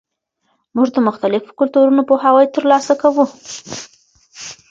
موږ د مختلفو کلتورونو پوهاوی ترلاسه کوو.